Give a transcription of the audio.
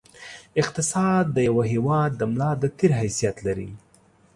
اقتصاد د یوه هېواد د ملا د تېر حیثیت لري.